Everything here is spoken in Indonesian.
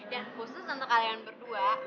dan khusus untuk kalian berdua